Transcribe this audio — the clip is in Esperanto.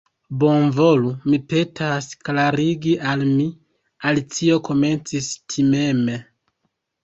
"Bonvolu, mi petas, klarigi al mi," Alicio komencis timeme.